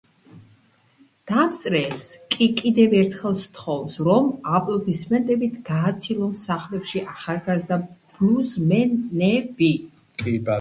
დამსწრეებს კი კიდევ ერთხელ სთხოვს რომ აპლოდისმენტებით გააცილონ სახლებში ახალგაზრდა ბლუზმენები.